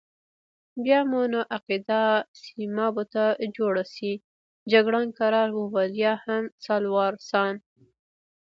بیا مو نو عقیده سیمابو ته جوړه شي، جګړن کرار وویل: یا هم سالوارسان.